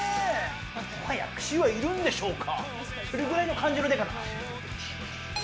もはや串はいるんでしょうか？